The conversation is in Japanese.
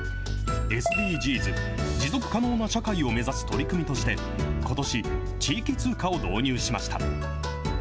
ＳＤＧｓ・持続可能な社会を目指す取り組みとして、ことし、地域通貨を導入しました。